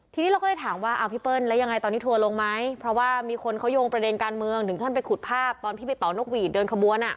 ทีนี้เราก็เลยถามว่าเอาพี่เปิ้ลแล้วยังไงตอนนี้ทัวร์ลงไหมเพราะว่ามีคนเขาโยงประเด็นการเมืองถึงขั้นไปขุดภาพตอนที่ไปเป่านกหวีดเดินขบวน